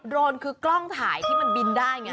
โรนคือกล้องถ่ายที่มันบินได้ไง